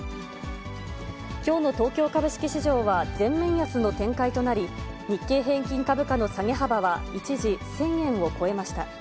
きょうの東京株式市場は、全面安の展開となり、日経平均株価の下げ幅は一時１０００円を超えました。